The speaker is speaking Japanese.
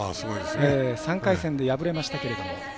３回戦で敗れましたけど。